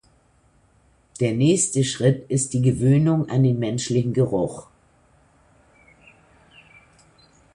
Der nächste Schritt ist die Gewöhnung an den menschlichen Geruch.